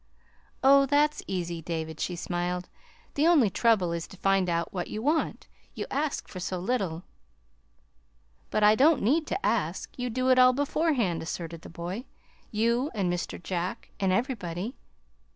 "Oh, that's easy, David," she smiled. "The only trouble is to find out what you want you ask for so little." "But I don't need to ask you do it all beforehand," asserted the boy, "you and Mr. Jack, and everybody."